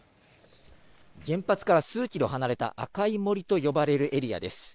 原発から数キロ離れた、赤い森と呼ばれるエリアです。